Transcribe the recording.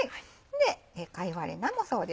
で貝割れ菜もそうですね。